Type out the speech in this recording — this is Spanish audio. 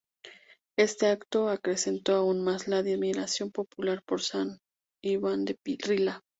Este acto acrecentó aún más la admiración popular por San Iván de Rila.